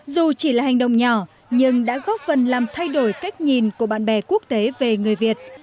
dù chỉ là hành động nhỏ nhưng đã góp phần làm thay đổi cách nhìn của bạn bè quốc tế về người việt